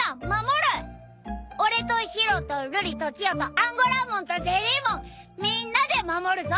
俺と宙と瑠璃とキヨとアンゴラモンとジェリーモンみーんなで守るぞ！